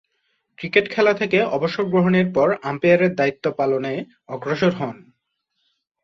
Cricket খেলা থেকে অবসর গ্রহণের পর আম্পায়ারের দায়িত্ব পালনে অগ্রসর হন।